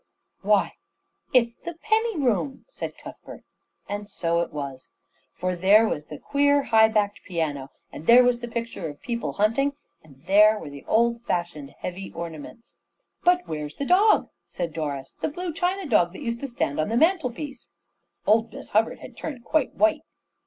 "Why, it's the penny room!" said Cuthbert; and so it was. For there was the queer high backed piano; and there was the picture of people hunting; and there were the old fashioned heavy ornaments. "But where's the dog," said Doris, "the blue china dog that used to stand on the mantelpiece?" Old Miss Hubbard had turned quite white.